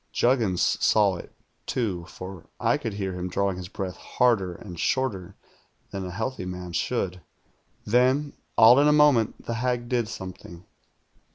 "Juggins saw it, too, for I could hear him drawing his breath harder and shorter than a healthy man should. "Then, all in a moment, the hag did something.